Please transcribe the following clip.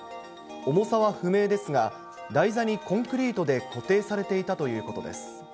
重さは不明ですが、台座にコンクリートで固定されていたということです。